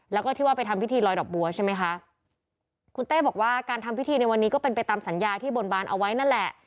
แล้วก็ที่ว่าไปทำพิธีลอยดอกบัวใช่ไหมคะคุณเต้บอกว่าการทำพิธีในวันนี้ก็เป็นไปตามสัญญาที่บนบานเอาไว้นั่นแหละ